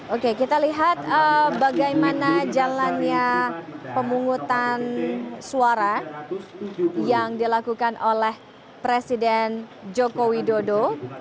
oke kita lihat bagaimana jalannya pemungutan suara yang dilakukan oleh presiden joko widodo